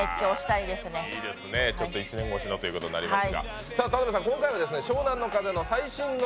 いいですね、１年越しのということになります。